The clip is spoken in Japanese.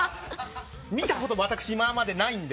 見たことは私は今までないので。